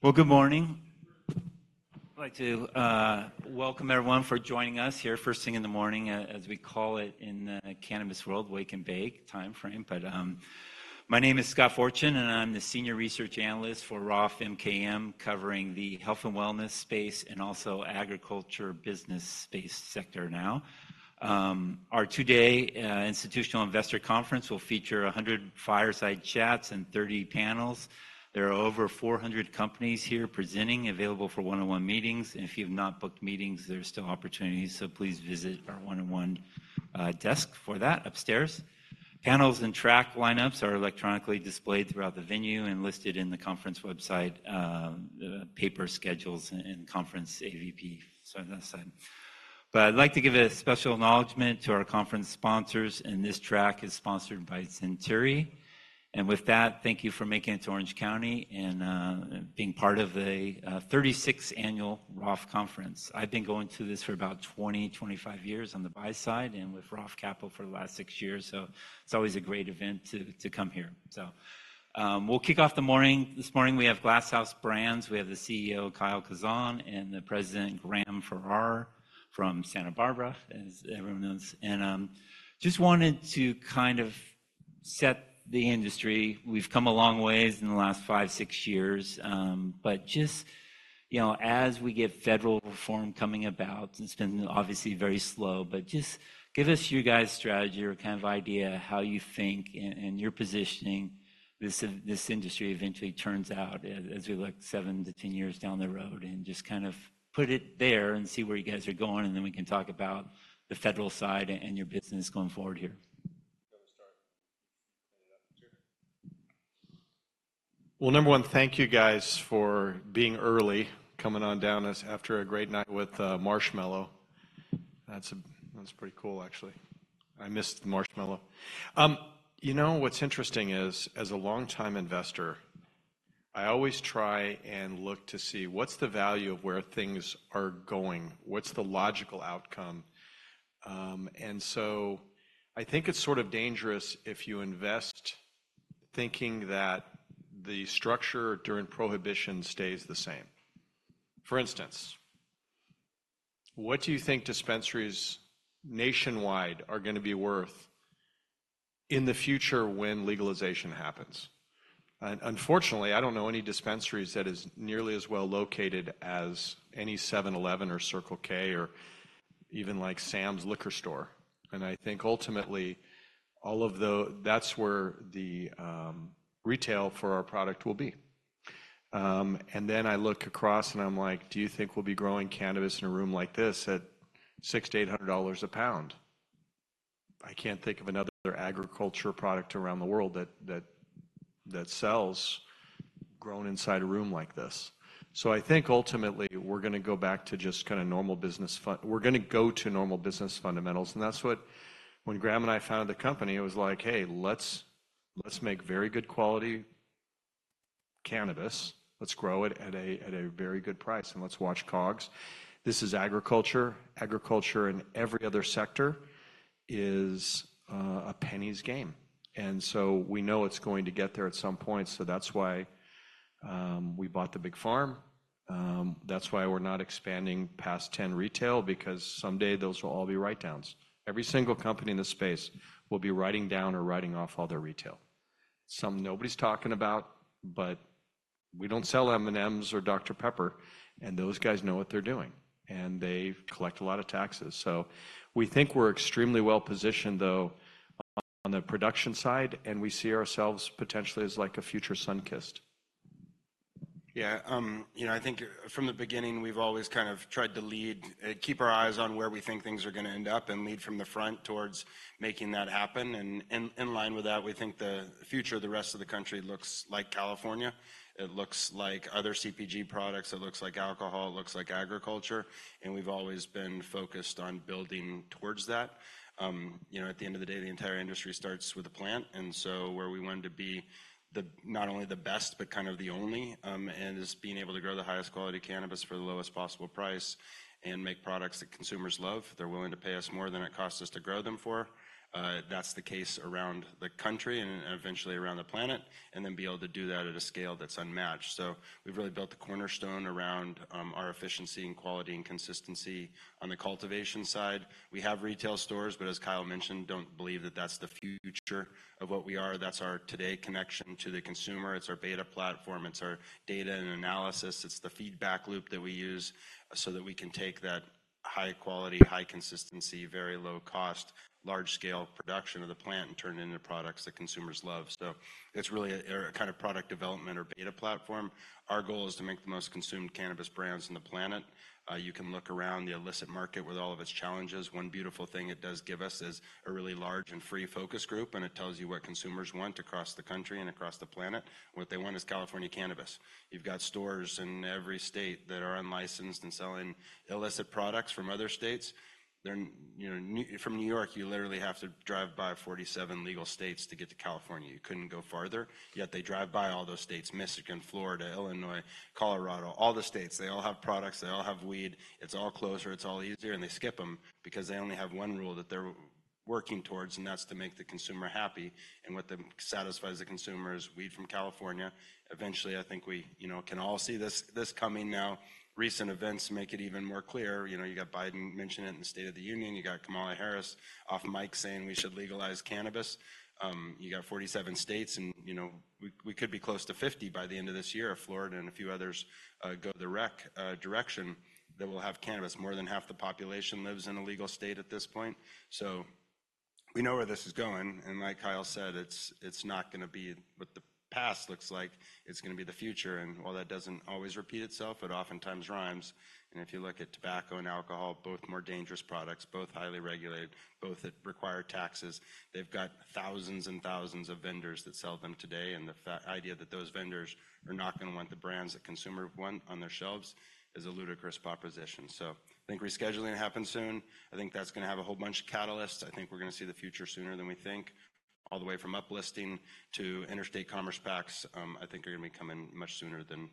Well, good morning. I'd like to welcome everyone for joining us here first thing in the morning, as we call it in the cannabis world, Wake and Bake timeframe. But my name is Scott Fortune, and I'm the senior research analyst for Roth MKM, covering the health and wellness space and also agriculture business-based sector now. Our today institutional investor conference will feature 100 fireside chats and 30 panels. There are over 400 companies here presenting, available for one-on-one meetings. And if you've not booked meetings, there's still opportunities, so please visit our one-on-one desk for that upstairs. Panels and track lineups are electronically displayed throughout the venue and listed in the conference website, paper schedules and conference app, so on that side. But I'd like to give a special acknowledgment to our conference sponsors, and this track is sponsored by Centri. And with that, thank you for making it to Orange County and being part of the 36th annual Roth conference. I've been going to this for about 20-25 years on the buy side, and with Roth Capital for the last 6 years, so it's always a great event to come here. So, we'll kick off the morning. This morning we have Glass House Brands. We have the CEO, Kyle Kazan, and the president, Graham Farrar, from Santa Barbara, as everyone knows. And just wanted to kind of set the industry. We've come a long ways in the last five, six years, but just, you know, as we get federal reform coming about—and it's been obviously very slow—but just give us your guys' strategy or kind of idea how you think and your positioning this industry eventually turns out as we look 7-10 years down the road, and just kind of put it there and see where you guys are going, and then we can talk about the federal side and your business going forward here. Well, number one, thank you guys for being early, coming on down right after a great night with Marshmello. That's a that's pretty cool, actually. I missed the Marshmello. You know, what's interesting is, as a longtime investor, I always try and look to see what's the value of where things are going, what's the logical outcome. And so I think it's sort of dangerous if you invest thinking that the structure during prohibition stays the same. For instance, what do you think dispensaries nationwide are gonna be worth in the future when legalization happens? And unfortunately, I don't know any dispensaries that is nearly as well located as any 7-Eleven or Circle K or even, like, Sam's liquor store. And I think ultimately, all of those that's where the retail for our product will be. and then I look across and I'm like, "Do you think we'll be growing cannabis in a room like this at $600-$800 a pound?" I can't think of another agriculture product around the world that, that, that sells grown inside a room like this. So I think ultimately we're gonna go back to just kinda normal business fundamentals. And that's what when Graham and I founded the company, it was like, "Hey, let's make very good quality cannabis. Let's grow it at a very good price, and let's watch COGS." This is agriculture. Agriculture in every other sector is a penny's game. So we know it's going to get there at some point, so that's why we bought the big farm. That's why we're not expanding past 10 retail, because someday those will all be write-downs. Every single company in the space will be writing down or writing off all their retail. Something nobody's talking about, but we don't sell M&M's or Dr Pepper, and those guys know what they're doing, and they collect a lot of taxes. So we think we're extremely well-positioned, though, on the production side, and we see ourselves potentially as, like, a future Sunkist. Yeah, you know, I think from the beginning we've always kind of tried to lead and keep our eyes on where we think things are gonna end up and lead from the front towards making that happen. And, and in line with that, we think the future of the rest of the country looks like California. It looks like other CPG products. It looks like alcohol. It looks like agriculture. And we've always been focused on building towards that. You know, at the end of the day, the entire industry starts with a plant. And so we wanted to be not only the best but kind of the only, and is being able to grow the highest quality cannabis for the lowest possible price and make products that consumers love. They're willing to pay us more than it costs us to grow them for. That's the case around the country and eventually around the planet, and then be able to do that at a scale that's unmatched. So we've really built the cornerstone around our efficiency and quality and consistency on the cultivation side. We have retail stores, but as Kyle mentioned, don't believe that that's the future of what we are. That's our today connection to the consumer. It's our beta platform. It's our data and analysis. It's the feedback loop that we use so that we can take that high quality, high consistency, very low cost, large scale production of the plant and turn it into products that consumers love. So it's really a, a kind of product development or beta platform. Our goal is to make the most consumed cannabis brands on the planet. You can look around the illicit market with all of its challenges. One beautiful thing it does give us is a really large and free focus group, and it tells you what consumers want across the country and across the planet. What they want is California cannabis. You've got stores in every state that are unlicensed and selling illicit products from other states. They're, you know, in New York, you literally have to drive by 47 legal states to get to California. You couldn't go farther. Yet they drive by all those states: Michigan, Florida, Illinois, Colorado, all the states. They all have products. They all have weed. It's all closer. It's all easier. And they skip them because they only have one rule that they're working towards, and that's to make the consumer happy. And what satisfies the consumer is weed from California. Eventually, I think we, you know, can all see this, this coming now. Recent events make it even more clear. You know, you got Biden mentioning it in the State of the Union. You got Kamala Harris off mic saying we should legalize cannabis. You got 47 states, and, you know, we, we could be close to 50 by the end of this year if Florida and a few others go the right direction that will have cannabis. More than half the population lives in a legal state at this point. So we know where this is going. And like Kyle said, it's, it's not gonna be what the past looks like. It's gonna be the future. And while that doesn't always repeat itself, it oftentimes rhymes. And if you look at tobacco and alcohol, both more dangerous products, both highly regulated, both that require taxes, they've got thousands and thousands of vendors that sell them today. The far idea that those vendors are not gonna want the brands that consumers want on their shelves is a ludicrous proposition. So I think rescheduling happens soon. I think that's gonna have a whole bunch of catalysts. I think we're gonna see the future sooner than we think. All the way from uplisting to interstate commerce pacts, I think are gonna be coming much sooner than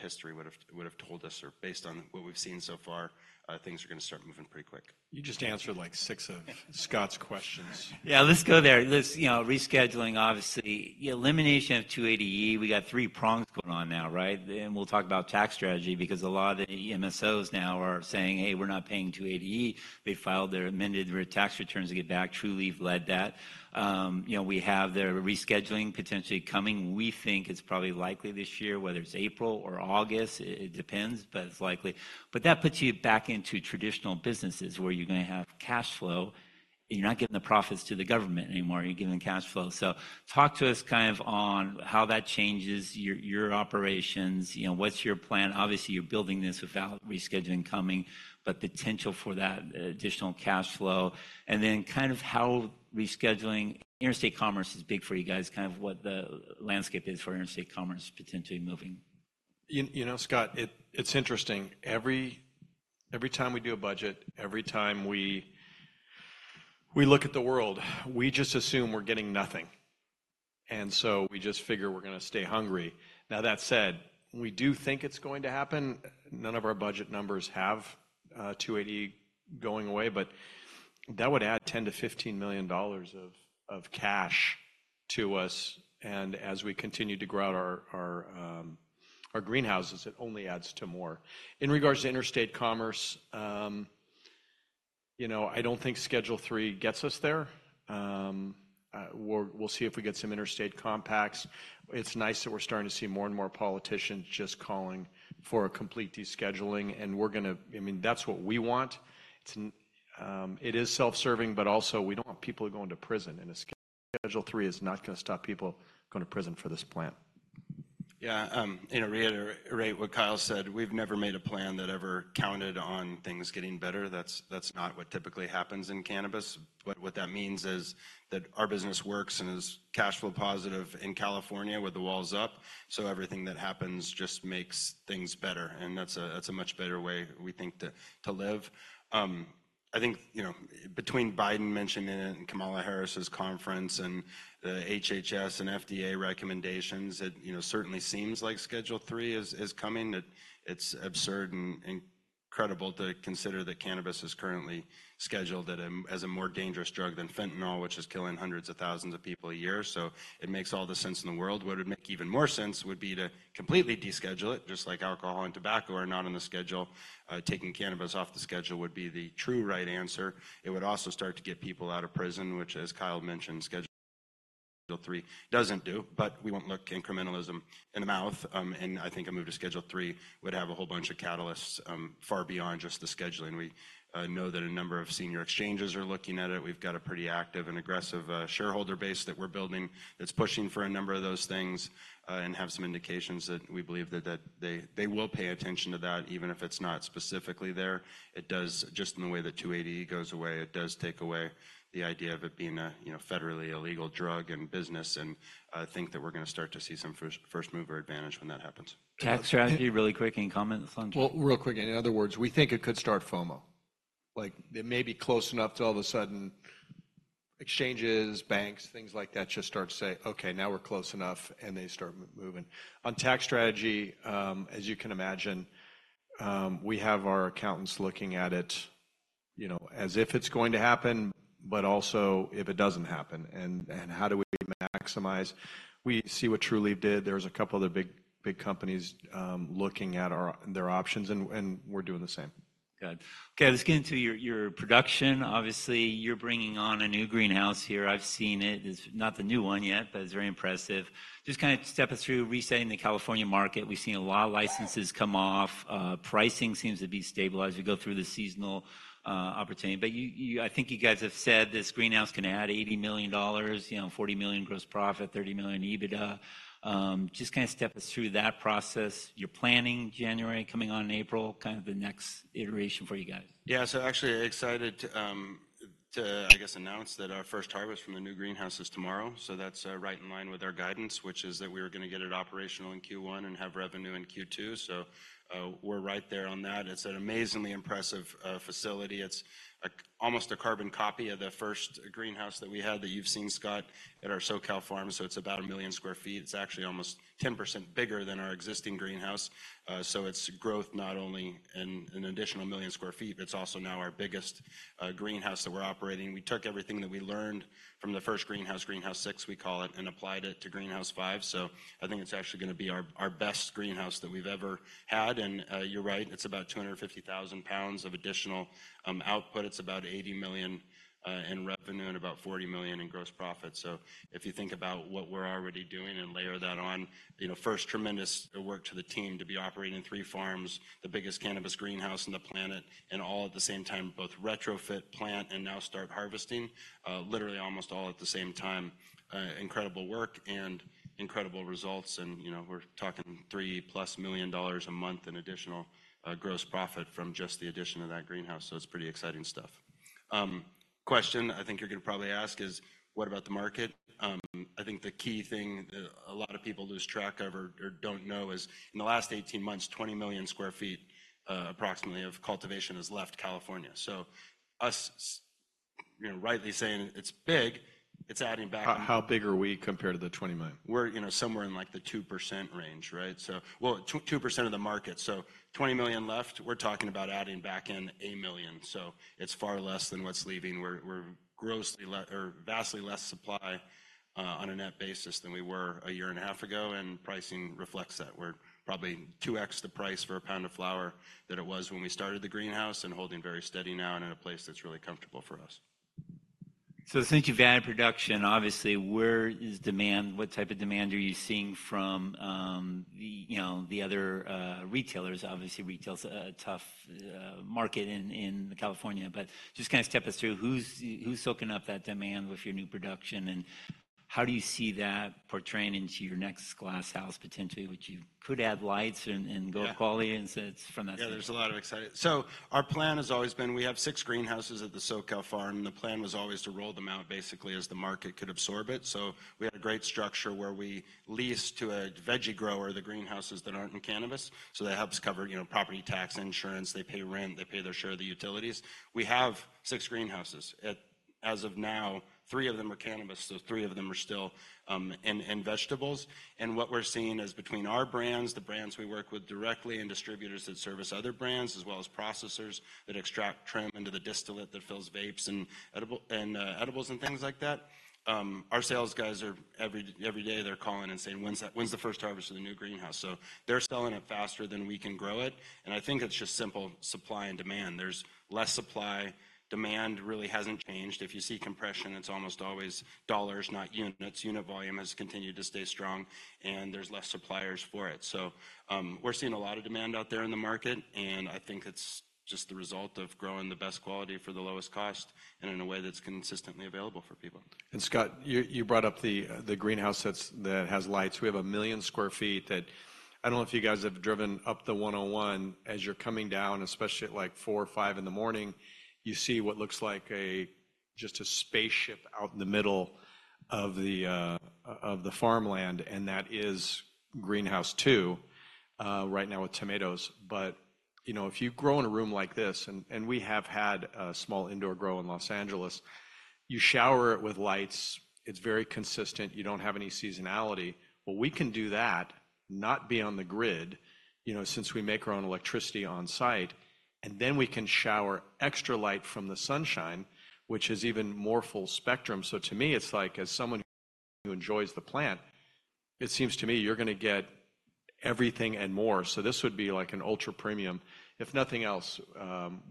history would've told us or based on what we've seen so far, things are gonna start moving pretty quick. You just answered, like, six of Scott's questions. Yeah, let's go there. Let's, you know, rescheduling, obviously. The elimination of 280E. We got three prongs going on now, right? We'll talk about tax strategy because a lot of the MSOs now are saying, "Hey, we're not paying 280E." They filed their amended tax returns to get back. Trulieve led that. You know, we have their rescheduling potentially coming. We think it's probably likely this year, whether it's April or August. It depends, but it's likely. But that puts you back into traditional businesses where you're gonna have cash flow, and you're not giving the profits to the government anymore. You're giving cash flow. So talk to us kind of on how that changes your, your operations. You know, what's your plan? Obviously, you're building this without rescheduling coming, but potential for that additional cash flow. And then kind of how rescheduling interstate commerce is big for you guys, kind of what the landscape is for interstate commerce potentially moving? You know, Scott, it's interesting. Every time we do a budget, every time we look at the world, we just assume we're getting nothing. And so we just figure we're gonna stay hungry. Now, that said, we do think it's going to happen. None of our budget numbers have 280E going away, but that would add $10-$15 million of cash to us. And as we continue to grow out our greenhouses, it only adds to more. In regards to interstate commerce, you know, I don't think Schedule III gets us there. We'll see if we get some interstate compacts. It's nice that we're starting to see more and more politicians just calling for a complete descheduling. And we're gonna. I mean, that's what we want. It is self-serving, but also we don't want people going to prison in a schedule. Schedule III is not gonna stop people going to prison for this plant. Yeah, you know, reiterate what Kyle said. We've never made a plan that ever counted on things getting better. That's not what typically happens in cannabis. What that means is that our business works and is cash flow positive in California with the walls up, so everything that happens just makes things better. And that's a much better way, we think, to live. I think, you know, between Biden mentioning it and Kamala Harris's conference and the HHS and FDA recommendations, it, you know, certainly seems like Schedule III is coming. It's absurd and incredible to consider that cannabis is currently scheduled as a more dangerous drug than fentanyl, which is killing hundreds of thousands of people a year. So it makes all the sense in the world. What would make even more sense would be to completely deschedule it, just like alcohol and tobacco are not on the schedule. Taking cannabis off the schedule would be the true right answer. It would also start to get people out of prison, which, as Kyle mentioned, Schedule III doesn't do. But we won't look incrementalism in the mouth. And I think a move to Schedule III would have a whole bunch of catalysts, far beyond just the scheduling. We know that a number of senior exchanges are looking at it. We've got a pretty active and aggressive shareholder base that we're building that's pushing for a number of those things, and have some indications that we believe that, that they, they will pay attention to that, even if it's not specifically there. It does, just in the way that 280E goes away, it does take away the idea of it being a, you know, federally illegal drug and business. I think that we're gonna start to see some first, first mover advantage when that happens. Tax strategy, really quick, any comments on that? Well, real quick. In other words, we think it could start FOMO. Like, it may be close enough to all of a sudden exchanges, banks, things like that just start to say, "Okay, now we're close enough," and they start moving. On tax strategy, as you can imagine, we have our accountants looking at it, you know, as if it's going to happen, but also if it doesn't happen. And, and how do we maximize? We see what Trulieve did. There's a couple other big, big companies, looking at their options, and, and we're doing the same. Good. Okay, let's get into your, your production. Obviously, you're bringing on a new greenhouse here. I've seen it. It's not the new one yet, but it's very impressive. Just kinda step us through resetting the California market. We've seen a lot of licenses come off. Pricing seems to be stabilized as we go through the seasonal opportunity. But you, you I think you guys have said this greenhouse can add $80 million, you know, $40 million gross profit, $30 million EBITDA. Just kinda step us through that process. You're planning January, coming on in April, kind of the next iteration for you guys. Yeah, so actually excited to I guess announce that our first harvest from the new greenhouse is tomorrow. So that's right in line with our guidance, which is that we were gonna get it operational in Q1 and have revenue in Q2. So, we're right there on that. It's an amazingly impressive facility. It's almost a carbon copy of the first greenhouse that we had that you've seen, Scott, at our SoCal farm. So it's about 1 million sq ft. It's actually almost 10% bigger than our existing greenhouse. So it's growth not only an additional 1 million sq ft, but it's also now our biggest greenhouse that we're operating. We took everything that we learned from the first greenhouse, Greenhouse Six, we call it, and applied it to Greenhouse Five. So I think it's actually gonna be our best greenhouse that we've ever had. And, you're right. It's about 250,000 pounds of additional output. It's about $80 million in revenue and about $40 million in gross profit. So if you think about what we're already doing and layer that on, you know, first, tremendous work to the team to be operating three farms, the biggest cannabis greenhouse on the planet, and all at the same time, both retrofit, plant, and now start harvesting, literally almost all at the same time. Incredible work and incredible results. And, you know, we're talking $3+ million a month in additional gross profit from just the addition of that greenhouse. So it's pretty exciting stuff. Question I think you're gonna probably ask is, what about the market? I think the key thing that a lot of people lose track of or don't know is, in the last 18 months, 20 million sq ft, approximately, of cultivation has left California. So us, you know, rightly saying it's big, it's adding back. How, how big are we compared to the $20 million? We're, you know, somewhere in, like, the 2% range, right? So, well, 2% of the market. So 20 million left, we're talking about adding back in one million. So it's far less than what's leaving. We're vastly less supply, on a net basis than we were a year and a half ago. And pricing reflects that. We're probably 2X the price for a pound of flower that it was when we started the greenhouse and holding very steady now and in a place that's really comfortable for us. So thank you, uncertain, for production. Obviously, where is demand? What type of demand are you seeing from the, you know, the other retailers? Obviously, retail's a tough market in California. But just kinda step us through. Who's soaking up that demand with your new production? And how do you see that portraying into your next Glass House potentially, which you could add lights and go quality and so it's from that side? Yeah, there's a lot of excitement. So our plan has always been we have six greenhouses at the SoCal farm. The plan was always to roll them out basically as the market could absorb it. So we had a great structure where we lease to a veggie grower the greenhouses that aren't in cannabis. So that helps cover, you know, property tax, insurance. They pay rent. They pay their share of the utilities. We have six greenhouses. As of now, three of them are cannabis. So three of them are still in vegetables. What we're seeing is between our brands, the brands we work with directly, and distributors that service other brands, as well as processors that extract, trim into the distillate that fills vapes and edibles and things like that, our sales guys are every day, they're calling and saying, "When's the first harvest of the new greenhouse?" So they're selling it faster than we can grow it. And I think it's just simple supply and demand. There's less supply. Demand really hasn't changed. If you see compression, it's almost always dollars, not units. Unit volume has continued to stay strong, and there's less suppliers for it. So, we're seeing a lot of demand out there in the market, and I think it's just the result of growing the best quality for the lowest cost and in a way that's consistently available for people. Scott, you brought up the greenhouse that's that has lights. We have 1 million sq ft that I don't know if you guys have driven up the 101. As you're coming down, especially at, like, 4:00 A.M. or 5:00 A.M. in the morning, you see what looks like just a spaceship out in the middle of the farmland. That is Greenhouse Two, right now with tomatoes. But, you know, if you grow in a room like this and we have had a small indoor grow in Los Angeles, you shower it with lights. It's very consistent. You don't have any seasonality. Well, we can do that, not be on the grid, you know, since we make our own electricity on site. And then we can shower extra light from the sunshine, which is even more full spectrum. So to me, it's like, as someone who enjoys the plant, it seems to me you're gonna get everything and more. So this would be, like, an ultra premium. If nothing else,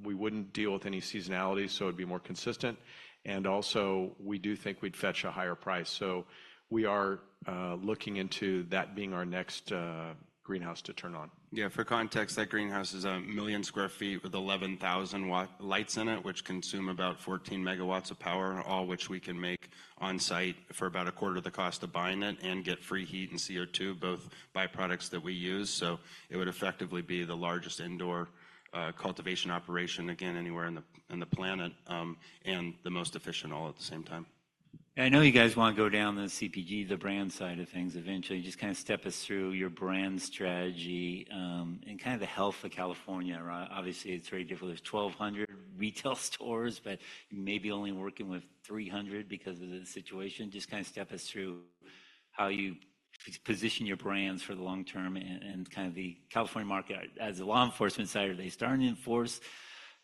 we wouldn't deal with any seasonality, so it'd be more consistent. And also, we do think we'd fetch a higher price. So we are looking into that being our next greenhouse to turn on. Yeah, for context, that greenhouse is 1 million sq ft with 11,000-watt lights in it, which consume about 14 megawatts of power, all which we can make on site for about a quarter of the cost of buying it and get free heat and CO2, both byproducts that we use. So it would effectively be the largest indoor cultivation operation, again, anywhere in the planet, and the most efficient all at the same time. I know you guys wanna go down the CPG, the brand side of things eventually. Just kinda step us through your brand strategy, and kinda the health of California, right? Obviously, it's very difficult. There's 1,200 retail stores, but maybe only working with 300 because of the situation. Just kinda step us through how you position your brands for the long term and, and kinda the California market. As a law enforcement side, are they starting to enforce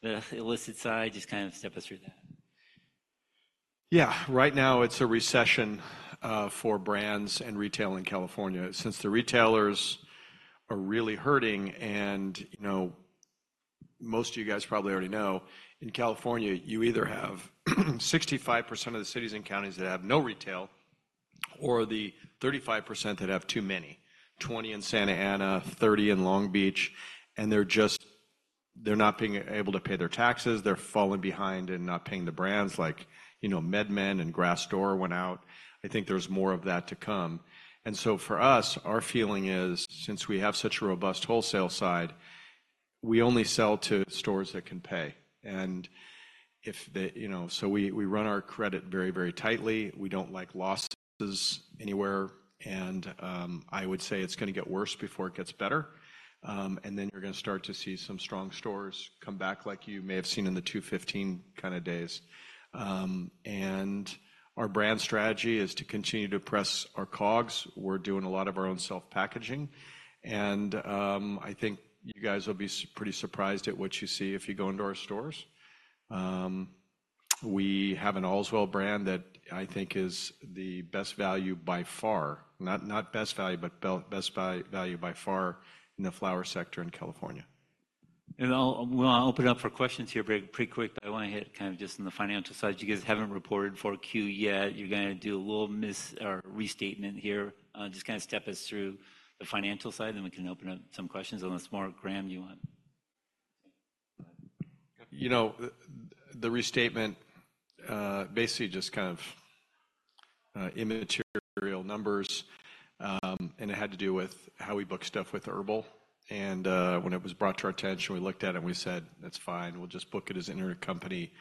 the illicit side? Just kinda step us through that. Yeah, right now, it's a recession for brands and retail in California since the retailers are really hurting. And, you know, most of you guys probably already know, in California, you either have 65% of the cities and counties that have no retail or the 35% that have too many, 20 in Santa Ana, 30 in Long Beach, and they're just not being able to pay their taxes. They're falling behind and not paying the brands. Like, you know, MedMen and Grassdoor went out. I think there's more of that to come. And so for us, our feeling is, since we have such a robust wholesale side, we only sell to stores that can pay. And if they, you know, so we, we run our credit very, very tightly. We don't like losses anywhere. And, I would say it's gonna get worse before it gets better. And then you're gonna start to see some strong stores come back, like you may have seen in the 2015 kinda days. Our brand strategy is to continue to press our COGS. We're doing a lot of our own self-packaging. And I think you guys will be pretty surprised at what you see if you go into our stores. We have an Allswell brand that I think is the best value by far, not, not best value, but the best value by far in the flower sector in California. I'll open up for questions here pretty quick. But I wanna hit kind of just on the financial side. You guys haven't reported for Q yet. You're gonna do a little miss or restatement here. Just kinda step us through the financial side, then we can open up some questions. Unless, Mark, Graham, do you want? You know, the restatement basically just kind of immaterial numbers. It had to do with how we book stuff with HERBL. When it was brought to our attention, we looked at it, and we said, "That's fine. We'll just book it as an intercompany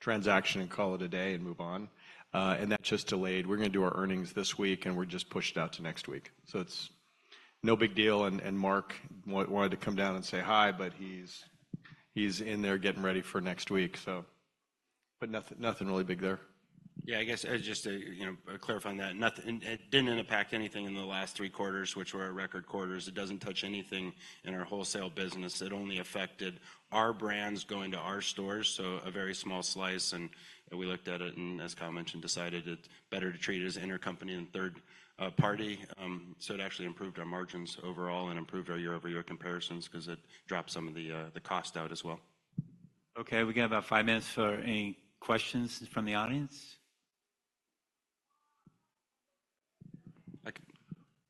transaction and call it a day and move on." And that just delayed. We're gonna do our earnings this week, and we're just pushed out to next week. It's no big deal. And Mark wanted to come down and say hi, but he's in there getting ready for next week, so. But nothing really big there. Yeah, I guess just a, you know, clarifying that. Nothing; it didn't impact anything in the last three quarters, which were our record quarters. It doesn't touch anything in our wholesale business. It only affected our brands going to our stores, so a very small slice. And we looked at it and, as Kyle mentioned, decided it's better to treat it as an intercompany than a third-party. So it actually improved our margins overall and improved our year-over-year comparisons 'cause it dropped some of the cost out as well. Okay, we got about five minutes for any questions from the audience.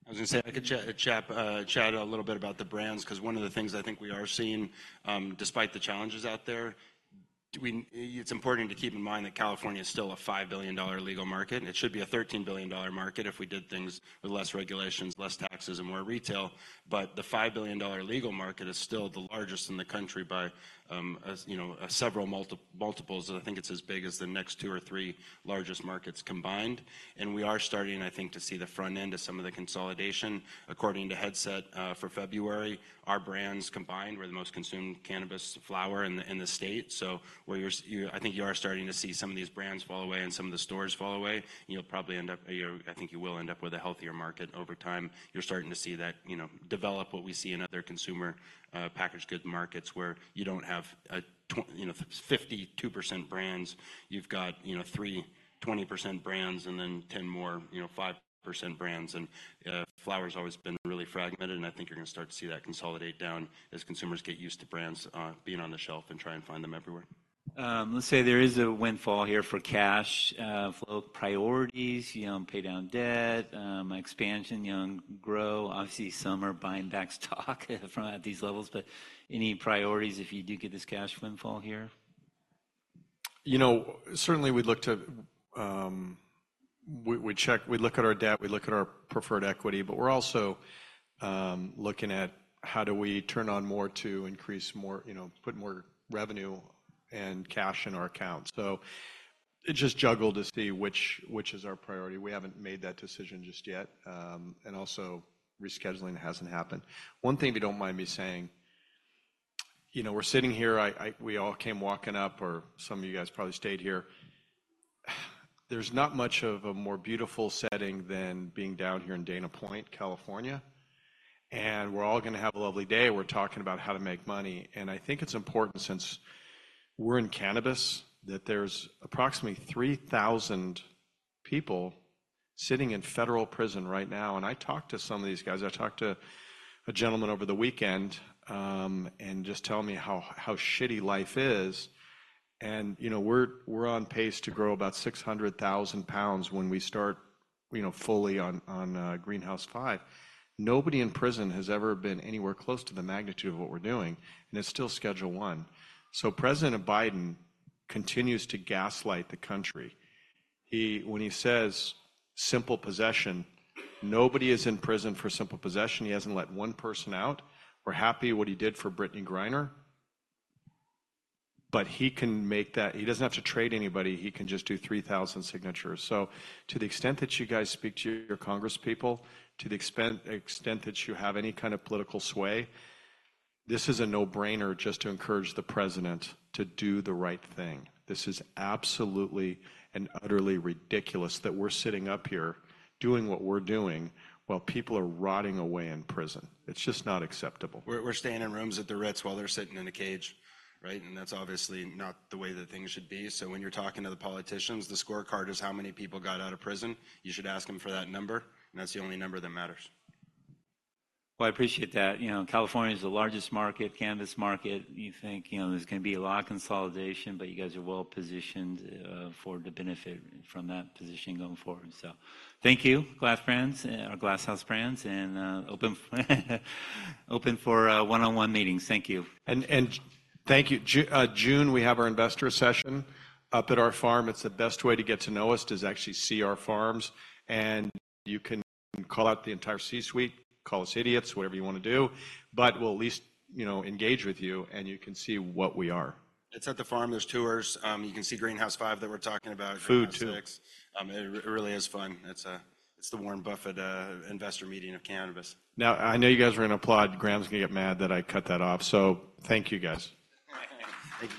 I was gonna say I could chat a little bit about the brands 'cause one of the things I think we are seeing, despite the challenges out there, it's important to keep in mind that California is still a $5 billion legal market. It should be a $13 billion market if we did things with less regulations, less taxes, and more retail. But the $5 billion legal market is still the largest in the country by, you know, several multiples. I think it's as big as the next two or three largest markets combined. And we are starting, I think, to see the front end of some of the consolidation. According to Headset, for February, our brands combined were the most consumed cannabis flower in the state. So, I think you are starting to see some of these brands fall away and some of the stores fall away. You'll probably end up, I think, with a healthier market over time. You're starting to see that, you know, develop, what we see in other consumer packaged goods markets where you don't have a 20%, you know, 52% brands. You've got, you know, three 20% brands and then 10 more, you know, 5% brands. And, flower's always been really fragmented, and I think you're gonna start to see that consolidate down as consumers get used to brands being on the shelf and trying to find them everywhere. Let's say there is a windfall here for cash flow priorities, you know, pay down debt, expansion, you know, grow. Obviously, some are buying back stock from at these levels. But any priorities if you do get this cash windfall here? You know, certainly, we'd look to. We'd look at our debt. We'd look at our preferred equity. But we're also looking at how do we turn on more to increase more, you know, put more revenue and cash in our account. So we just juggle to see which is our priority. We haven't made that decision just yet. And also, rescheduling hasn't happened. One thing, if you don't mind me saying, you know, we're sitting here. I, we all came walking up, or some of you guys probably stayed here. There's not much of a more beautiful setting than being down here in Dana Point, California. And we're all gonna have a lovely day. We're talking about how to make money. And I think it's important since we're in cannabis that there's approximately 3,000 people sitting in federal prison right now. I talked to some of these guys. I talked to a gentleman over the weekend, and just tell me how shitty life is. And, you know, we're on pace to grow about 600,000 pounds when we start, you know, fully on Greenhouse Five. Nobody in prison has ever been anywhere close to the magnitude of what we're doing. And it's still Schedule I. So President Biden continues to gaslight the country. He, when he says simple possession, nobody is in prison for simple possession. He hasn't let one person out. We're happy what he did for Brittney Griner. But he can make that he doesn't have to trade anybody. He can just do 3,000 signatures. So to the extent that you guys speak to your congresspeople, to the extent that you have any kind of political sway, this is a no-brainer just to encourage the president to do the right thing. This is absolutely and utterly ridiculous that we're sitting up here doing what we're doing while people are rotting away in prison. It's just not acceptable. We're staying in rooms at the Ritz while they're sitting in a cage, right? That's obviously not the way that things should be. When you're talking to the politicians, the scorecard is how many people got out of prison. You should ask them for that number. That's the only number that matters. Well, I appreciate that. You know, California's the largest cannabis market. You think, you know, there's gonna be a lot of consolidation, but you guys are well positioned for to benefit from that position going forward. So thank you, Glass House Brands, and open for one-on-one meetings. Thank you. Thank you. In June, we have our investor session up at our farm. It's the best way to get to know us is actually see our farms. You can call out the entire C-suite, call us idiots, whatever you wanna do, but we'll at least, you know, engage with you, and you can see what we are. It's at the farm. There's tours. You can see Greenhouse Five that we're talking about. Food too. It really is fun. It's the Warren Buffett investor meeting of cannabis. Now, I know you guys are gonna applaud. Graham's gonna get mad that I cut that off. So thank you, guys. Thank you.